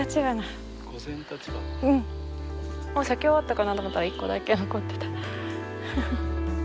もう咲き終わったかなと思ったら１個だけ残ってた。